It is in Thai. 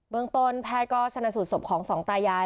เบื้องตนแพทย์ก็ชนะสูดสบของสองตายาย